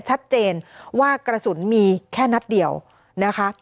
ชัดเจนว่ากระสุนมีแค่นัดเดียวนะคะ